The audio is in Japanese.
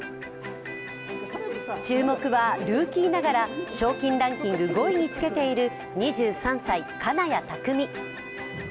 注目はルーキーながら賞金ランキング５位につけている２３歳金谷拓実。